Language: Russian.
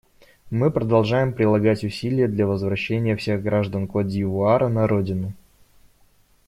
Мы продолжаем прилагать усилия для возвращения всех граждан Котд'Ивуара на родину.